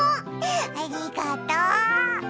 ありがとう。